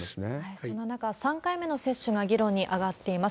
そんな中、３回目の接種が議論に上がっています。